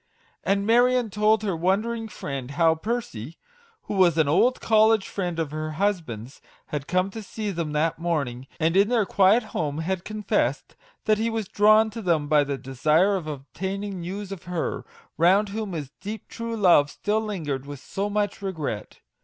And Marion told her wondering friend how Percy (who was an old college friend of her husband's) had come to see them that morning, and in their quiet home had confessed that he was drawn to them by the desire of obtaining news of her, round whom his deep true love still lingered with so much regret.